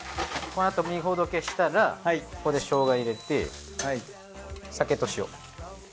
後身ほどけしたらここでしょうが入れて酒と塩。